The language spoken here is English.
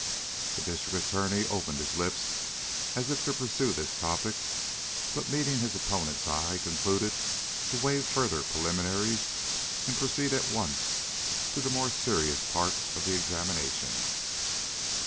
The District Attorney opened his lips as if to pursue this topic, but, meeting his opponent's eye, concluded to waive further preliminaries and proceed at once to the more serious part of the examination.